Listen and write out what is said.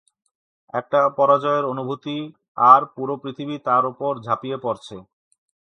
একটা পরাজয়ের অনুভূতি আর পুরো পৃথিবী তার উপর ঝাঁপিয়ে পড়ছে...